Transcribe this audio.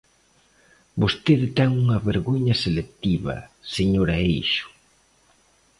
Vostede ten unha vergoña selectiva, señora Eixo.